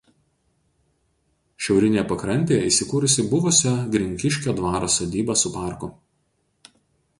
Šiaurinėje pakrantėje įsikūrusi buvusio Grinkiškio dvaro sodyba su parku.